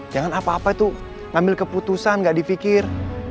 jangan apa apa itu ngambil keputusan gak di fikir